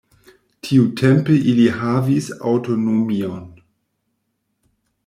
Tiutempe ili havis aŭtonomion.